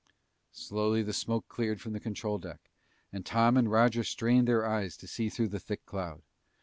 Slowly the smoke cleared from the control deck and Tom and Roger strained their eyes to see through the thick cloud.